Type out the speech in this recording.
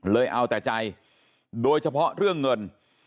เอาแต่ใจโดยเฉพาะเรื่องเงิน